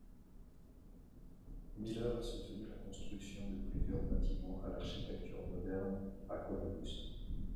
Miller a soutenu la construction de plusieurs bâtiments à l'architecture moderne à Columbus.